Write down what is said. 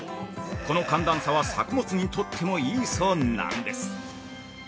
この寒暖差は作物にとってもいいそうなんです。